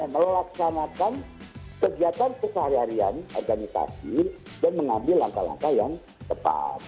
melaksanakan kegiatan sehari harian organisasi dan mengambil langkah langkah yang tepat